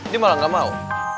dia malah gak mau